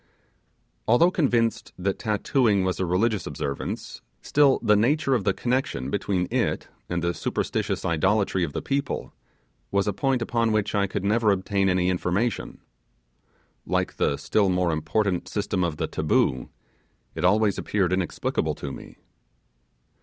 Although convinced that tattooing was a religious observance, still the nature of the connection between it and the superstitious idolatry of the people was a point upon which I could never obtain any information. Like the still more important system of the 'Taboo', it always appeared inexplicable to me.